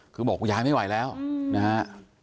คือบอกยายไม่ไหวแล้วนะฮะ